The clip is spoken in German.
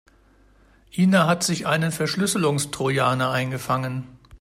Ina hat sich einen Verschlüsselungstrojaner eingefangen.